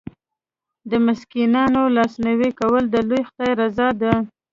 د مسکینانو لاسنیوی کول د لوی خدای رضا ده.